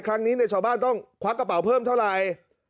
ครั้งนี้ชาวบ้านต้องควักกระเป๋าเพิ่มเท่าไหร่